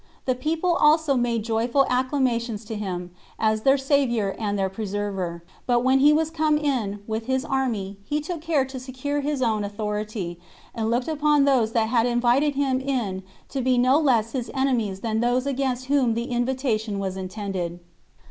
The people also made joyful acclamations to him, as their savior and their preserver; but when he was come in, with his army, he took care to secure his own authority, and looked upon those that had invited him in to be no less his enemies than those against whom the invitation was intended.